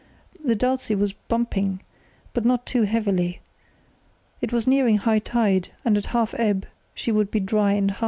The Dulce was bumping, but not too heavily. It was nearing high tide, and at half ebb she would be high and dry.